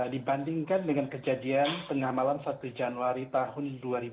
dibandingkan dengan kejadian tengah malam satu januari tahun dua ribu dua puluh